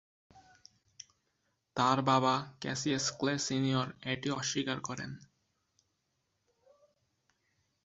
তাঁর বাবা Cassius Clay senior এটি অস্বীকার করেন।